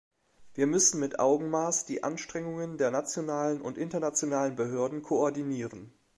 Wir müssen mit Augenmaß die Anstrengungen der nationalen und internationalen Behörden koordinieren.